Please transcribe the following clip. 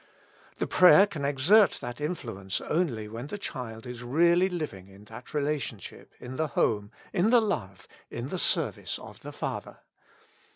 The prayer can exert that influence only when the child is really living in that relationship in the home, in the love, in the service of the Father.